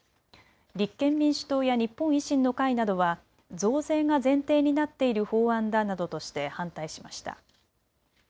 立憲民主党や日本維新の会などは増税が前提になっている法案だなどとして反対しました。